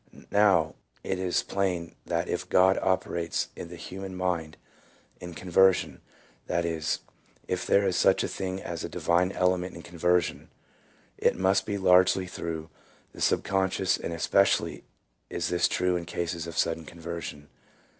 Now, it is plain that if God operates in the human mind in con version — that is, if there is such a thing as a divine element in conversion — it must be largely through the subconscious, and especially is this true in cases of sudden conversion.